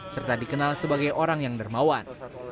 serta dikenal sebagai orang yang dermawan